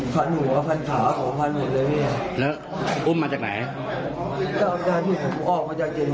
พันส์หมูมาขาพอไว้พันส์หมูเลยแล้วอุ้มมาจากไหน